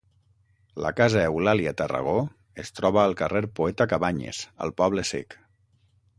La Casa Eulàlia Tarragó es troba al carrer Poeta Cabanyes, al Poble Sec.